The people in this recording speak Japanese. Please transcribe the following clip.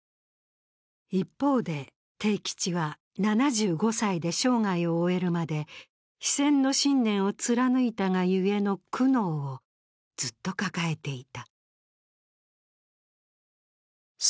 一方で悌吉は７５歳で生涯を終えるまで非戦の信念と貫いたがゆえの苦悩をずっと抱えていた。